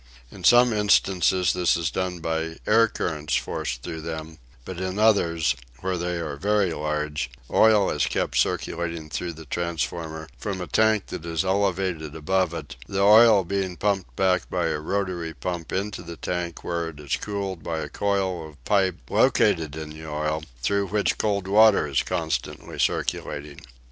In some instances this is done by air currents forced through them, but in others, where they are very large, oil is kept circulating through the transformer from a tank that is elevated above it, the oil being pumped back by a rotary pump into the tank where it is cooled by a coil of pipe located in the oil, through which cold water is continually circulating.